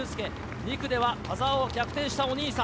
２区では田澤を逆転したお兄さん。